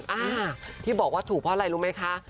อ่าที่บอกว่าถูกเพราะอะไรรู้ไหมคะ